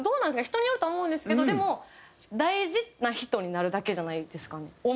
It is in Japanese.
人によると思うんですけどでも大事な人になるだけじゃないですかね？